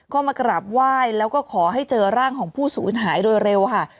ก็มากราบไหว้แล้วก็ขอให้เจอร่างของผู้สูญหายโดยเร็วค่ะ